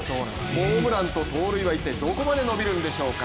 ホームランと盗塁は一体どこまで伸びるんでしょうか